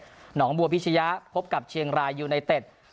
หนองบัวภิชยาโอนพบกับเชียงราชยูนายเต็ท